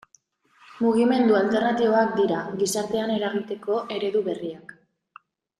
Mugimendu alternatiboak dira gizartean eragiteko eredu berriak.